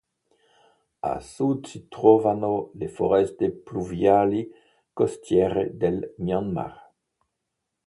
A sud si trovano le foreste pluviali costiere del Myanmar.